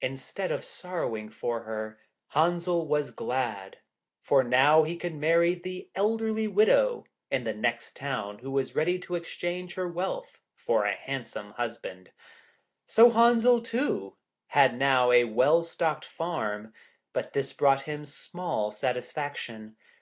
Instead of sorrowing for her, Henzel was glad, for now he could marry the elderly widow in the next town who was ready to exchange her wealth for a handsome husband. So Henzel, too, had now a well stocked farm, but this brought him small satisfaction.